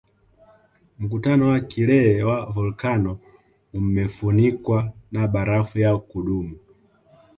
Mkutano wa kilee wa volkano umefunikwa na barafu ya kudumu